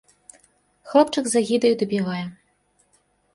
Хлопчык з агідаю дапівае.